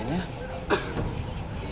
nenek suara apa